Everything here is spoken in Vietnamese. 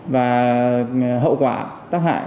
và hậu quả tác hại